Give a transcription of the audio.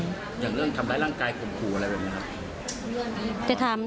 อย่างเรื่องทำร้ายร่างกายข่มขู่อะไรแบบนี้ครับ